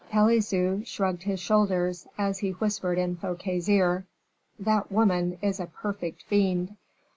Pelisson shrugged his shoulders, as he whispered in Fouquet's ear, "That woman is a perfect fiend."